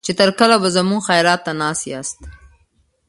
چې تر کله به زموږ خيرات ته ناست ياست.